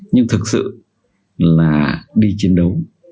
nhưng thực sự là đi chiến đấu